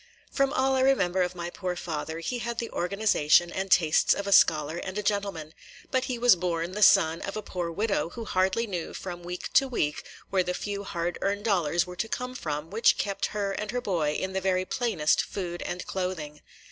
From all I remember of my poor father, he had the organization and tastes of a scholar and a gentleman; but he was born the son of a poor widow, who hardly knew from week to week where the few hard earned dollars were to come from which kept her and her boy in the very plainest food and clothing.